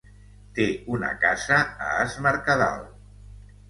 Té una casa a Es Mercadal.